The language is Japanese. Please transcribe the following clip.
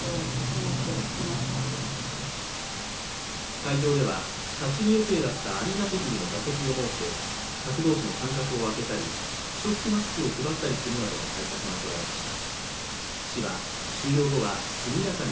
会場では立ち見予定だったアリーナ席にも座席を設け客同士の間隔を空けたり、不織布マスクを配ったりするなどの対策がとられました。